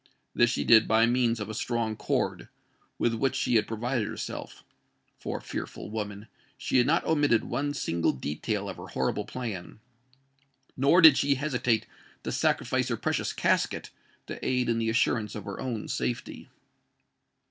This she did by means of a strong cord, with which she had provided herself; for—fearful woman!—she had not omitted one single detail of her horrible plan—nor did she hesitate to sacrifice her precious casket to aid in the assurance of her own safety.